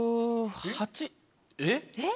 えっ？